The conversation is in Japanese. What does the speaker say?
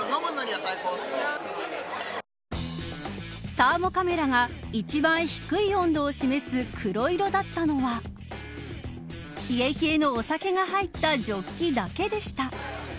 サーモカメラが一番低い温度を示す黒色だったのは冷え冷えのお酒が入ったジョッキだけでした。